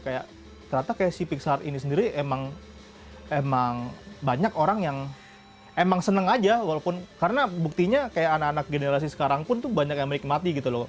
kayak ternyata kayak si pixard ini sendiri emang banyak orang yang emang seneng aja walaupun karena buktinya kayak anak anak generasi sekarang pun tuh banyak yang menikmati gitu loh